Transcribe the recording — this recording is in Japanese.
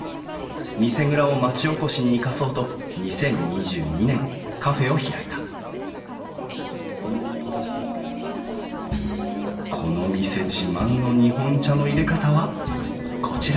見世蔵を町おこしに生かそうと２０２２年カフェを開いたこの店自慢の日本茶の淹れ方はこちら